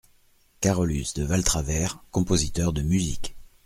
Carolus de Valtravers , compositeur de musique.